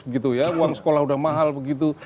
gitu ya uang sekolah sudah mahal begitu